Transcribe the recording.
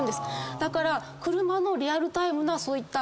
だから車のリアルタイムなそういった。